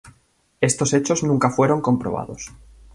Estos hechos nunca fueron comprobados.